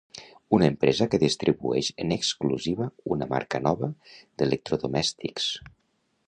Una empresa que distribueix en exclusiva una marca nova d'electrodomèstics.